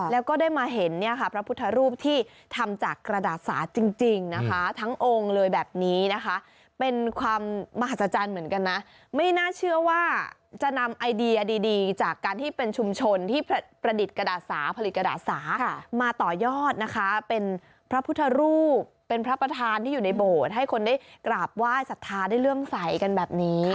แล้วก็ได้มาเห็นเนี่ยค่ะพระพุทธรูปที่ทำจากกระดาษสาจริงนะคะทั้งองค์เลยแบบนี้นะคะเป็นความมหัศจรรย์เหมือนกันนะไม่น่าเชื่อว่าจะนำไอเดียดีจากการที่เป็นชุมชนที่ประดิษฐ์กระดาษสาผลิตกระดาษสามาต่อยอดนะคะเป็นพระพุทธรูปเป็นพระประธานที่อยู่ในโบสถ์ให้คนได้กราบไหว้สัทธาได้เรื่องใสกันแบบนี้